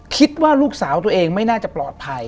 คิดว่าลูกสาวตัวเองไม่น่าจะปลอดภัย